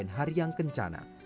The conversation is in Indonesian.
dan pada hari yang kencana